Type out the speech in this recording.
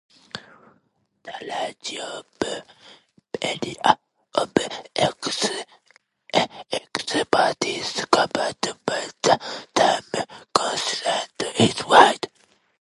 The range of areas of expertise covered by the term "consultant" is wide.